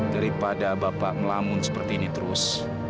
daripada bapak melamun seperti ini terus